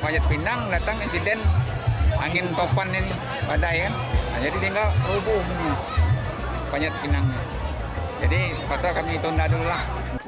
banyak pinangnya jadi sepatutnya kami tunda dulu lah